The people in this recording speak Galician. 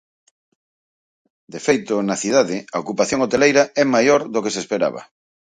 De feito, na cidade, a ocupación hoteleira é maior do que se esperaba.